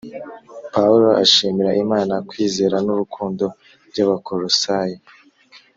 Pawulo ashimira Imana kwizera n’urukundo by’Abakolosayi